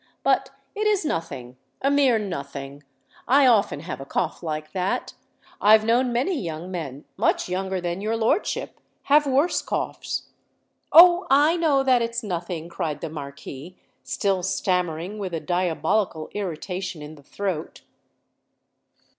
"But it is nothing—a mere nothing: I often have a cough like that. I've known many young men—much younger than your lordship—have worse coughs." "Oh! I know that it's nothing," cried the Marquis, still stammering with a diabolical irritation in the throat.